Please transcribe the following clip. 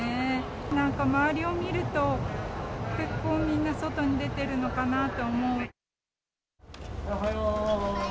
なんか周りを見ると、結構みんな外に出てるのかなって思う。